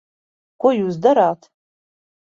Ko jūs darāt?